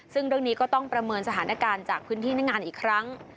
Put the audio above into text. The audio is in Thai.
ซึ่งเรื่องนี้ก็ต้องประเมินสถานการณ์จากพื้นที่หน้างานอีกครั้ง